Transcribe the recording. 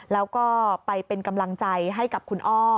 แล้วก็ไปเป็นกำลังใจให้กับคุณอ้อ